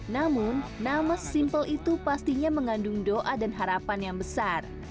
namun nama simple itu pastinya mengandung doa dan harapan yang besar